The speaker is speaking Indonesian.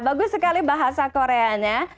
bagus sekali bahasa korea